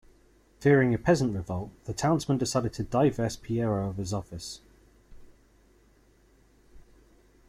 Fearing a peasant revolt, the townsmen decided to divest Pierrot of his office.